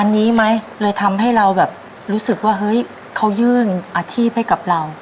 อันนี้ไหมเลยทำให้เราแบบรู้สึกว่าเฮ้ยเขายื่นอาชีพให้กับเรา